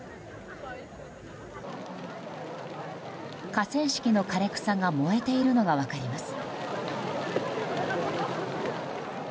河川敷の枯れ草が燃えているのが分かります。